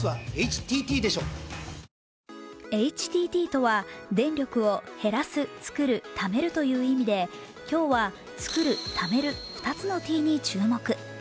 ＨＴＴとは電力を「へらす・つくる・ためる」という意味で今日は「つくる・ためる」という２つのＴに注目。